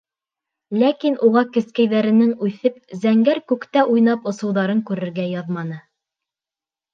Ләкин уға кескәйҙәренең үҫеп, зәңгәр күктә уйнап осоуҙарын күрергә яҙманы.